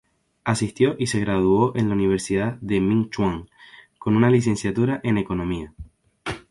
Asistió y se graduó de la Universidad Ming Chuan con una licenciatura en economía.